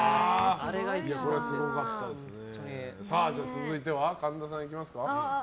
続いては神田さんいきますか。